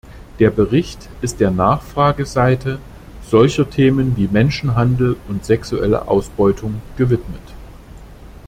Der Bericht ist der Nachfrageseite solcher Themen wie Menschenhandel und sexuelle Ausbeutung gewidmet.